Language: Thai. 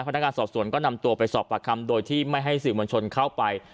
พนักงานสอบสวนก็นำตัวไปสอบปากคำโดยที่ไม่ให้สื่อมวลชนเข้าไป